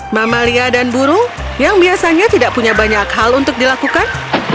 mamalia dan burung yang biasanya tidak punya banyak hal untuk dilakukan